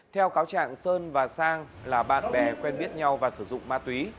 theo cáo trạng sơn và sang là bạn bè quen biết nhau và sử dụng ma túy